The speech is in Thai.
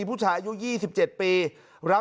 พระอยู่ที่ตะบนมไพรครับ